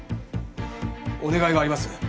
お願いがあります。